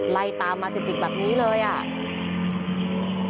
ไล่ตามมาเก่งกันติดแบบนี้เลยจริง